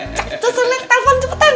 cak tuh seneng telepon cepetin